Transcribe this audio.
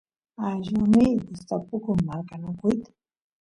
allusniy gustapukun marqanakuyta